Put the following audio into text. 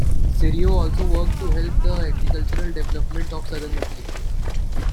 Cirio also worked to help the agricultural development of Southern Italy.